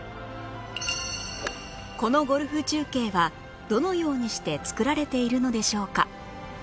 このゴルフ中継はどのようにして作られているのでしょうか